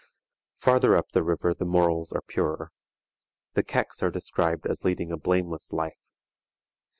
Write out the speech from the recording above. Farther up the river the morals are purer. The Keks are described as leading a blameless life.